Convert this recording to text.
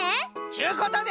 ちゅうことで。